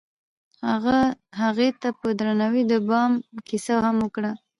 هغه هغې ته په درناوي د بام کیسه هم وکړه.